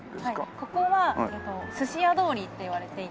ここは寿司屋通りといわれていて。